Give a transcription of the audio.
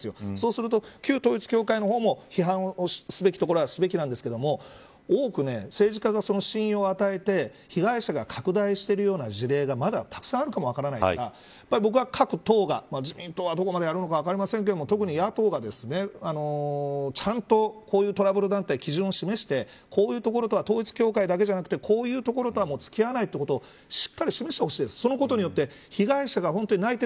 そうすると旧統一教会の方も批判すべきところはすべきなんですが多く政治家が信用を与えて被害者が拡大しているような事例が、まだたくさんあるかも分からないから僕は、各党が自民党は、どこまでやるのか分かりませんが特に野党がちゃんとこういうトラブル団体の基準を示してこういうところとは統一教会だけじゃなくてこういうところとは付き合わないということをしっかり示してほしいです。